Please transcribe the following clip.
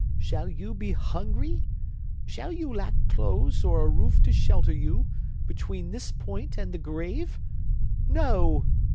Shall you be hungry,—shall you lack clothes, or a roof to shelter you,—between this point and the grave? No!